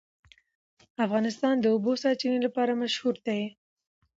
افغانستان د د اوبو سرچینې لپاره مشهور دی.